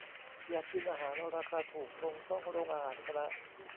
อยากกินอาหารราคาถูกคงต้องโรงอาหารคณะ